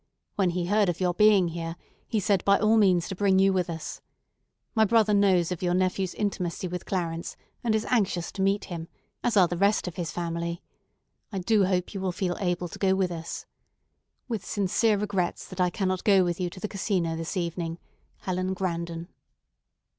When he heard of your being here, he said by all means to bring you with us. My brother knows of your nephew's intimacy with Clarence, and is anxious to meet him, as are the rest of his family. I do hope you will feel able to go with us. "'With sincere regrets that I cannot go with you to the Casino this evening, HELEN GRANDON.